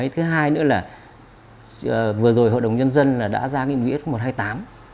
thứ hai nữa là vừa rồi hội đồng nhân dân đã ra nghị nghĩa một trăm hai mươi tám